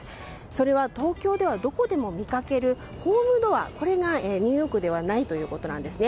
それは、東京ではどこでも見かけるホームドアこれがニューヨークではないということです。